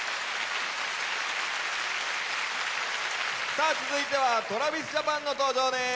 さあ続いてはＴｒａｖｉｓＪａｐａｎの登場です。